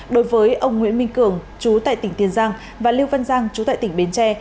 đối với ông nguyễn minh cường chú tại tỉnh tiền giang và liêu văn giang chú tại tỉnh bến tre